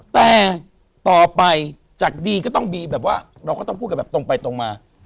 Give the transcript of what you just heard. แต่ต่อไปจากดีก็ต้องมีแบบว่าเราก็ต้องพูดกันแบบตรงไปตรงมา